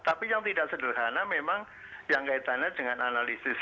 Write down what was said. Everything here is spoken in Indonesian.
tapi yang tidak sederhana memang yang kaitannya dengan analisis